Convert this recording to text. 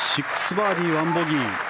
バーディー１ボギー。